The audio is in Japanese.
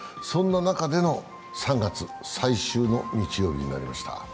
そんな中での３月最終の日曜日になりました。